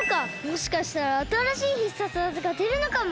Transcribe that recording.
もしかしたらあたらしい必殺技がでるのかも！